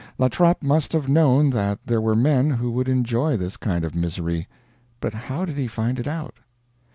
La Trappe must have known that there were men who would enjoy this kind of misery, but how did he find it out?